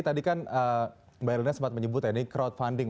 tadi kan mbak elina sempat menyebut ya ini crowdfunding